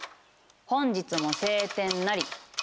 「本日も晴天なり」。